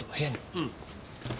うん。